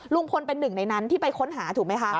ลุงพลเป็นหนึ่งในนั้นที่ไปค้นหาถูกไหมคะ